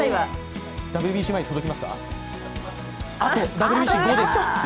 ＷＢＣ後です。